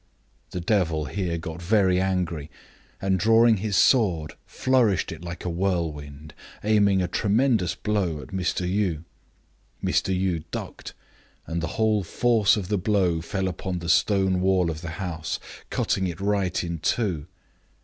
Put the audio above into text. The devil here got very angry, and drawing his sword flourished it like a whirl wind, aiming a tremendous blow at Mr. Yii. Mr. Yii ducked, and the whole force of the blow fell upon the stone wall of the house, cutting it right in two.